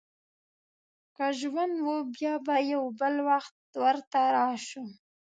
که ژوند و، بیا به یو بل وخت ورته راشو.